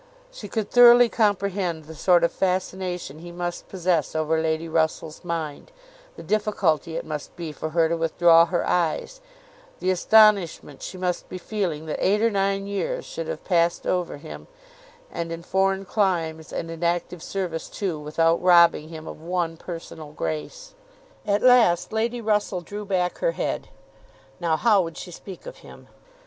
She could thoroughly comprehend the sort of fascination he must possess over Lady Russell's mind, the difficulty it must be for her to withdraw her eyes, the astonishment she must be feeling that eight or nine years should have passed over him, and in foreign climes and in active service too, without robbing him of one personal grace! At last, Lady Russell drew back her head. "Now, how would she speak of him?"